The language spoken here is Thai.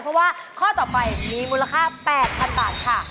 เพราะว่าข้อต่อไปมีมูลค่า๘๐๐๐บาทค่ะ